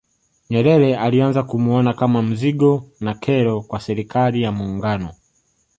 Nyerere alianza kumuona kama mzigo na kero kwa Serikali ya Muungano